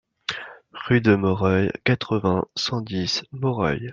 Rue de Moreuil, quatre-vingts, cent dix Moreuil